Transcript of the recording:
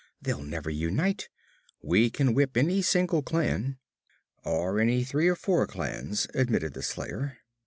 'they'll never unite. We can whip any single clan.' 'Or any three or four clans,' admitted the slayer.